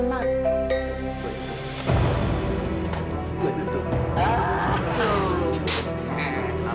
maaf ya pak bagus lah